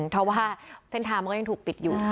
เพราะว่าเส้นทางมันก็ยังถูกปิดอยู่